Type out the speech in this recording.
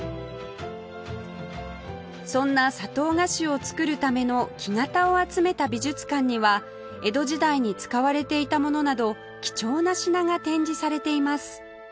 そんな砂糖菓子を作るための木型を集めた美術館には江戸時代に使われていたものなど貴重な品が展示されています